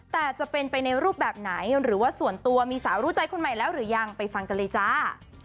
แต่จะเป็นไปในรูปแบบไหนหรือว่าส่วนตัวมีสาวรู้ใจคนใหม่แล้วหรือยังไปฟังกันเลยจ้า